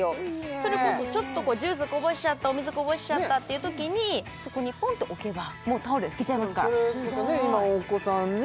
それこそジュースこぼしちゃったお水こぼしちゃったっていうときにそこにポンって置けばもうタオルで拭けちゃいますからすごいそれこそね今お子さんね